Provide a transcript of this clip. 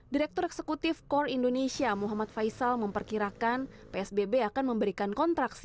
direktur eksekutif kor indonesia muhammad faisal memperkirakan psbb akan memberikan kontraksi